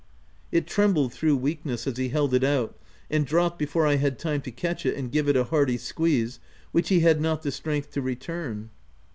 It trembled through weakness, as he held it out, and dropped before I had time to catch it and give it a hearty squeeze, which he had not the strength to return.